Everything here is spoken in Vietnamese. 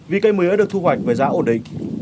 vì cây mía được thu hoạch với giá ổn định